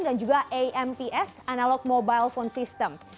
dan juga amps analog mobile phone system